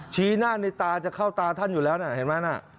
ชี้หน้าในตาจะเข้าตาท่านอยู่แล้วนะเห็นไหมน่ะ